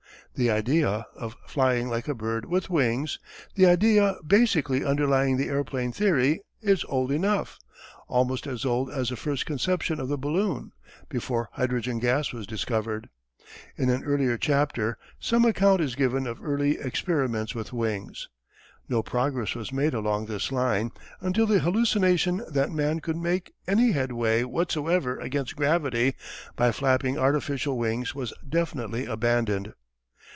The idea of flying like a bird with wings, the idea basicly underlying the airplane theory, is old enough almost as old as the first conception of the balloon, before hydrogen gas was discovered. In an earlier chapter some account is given of early experiments with wings. No progress was made along this line until the hallucination that man could make any headway whatsoever against gravity by flapping artificial wings was definitely abandoned.